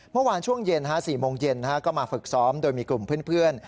เมื่อวานช่วงเย็น๔โมงเย็นก็มาฝึกซ้อมโดยมีกลุ่มเพื่อน